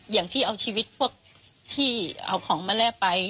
อย่างที่เอาชีวิตพวกที่เอาของมาแลกไป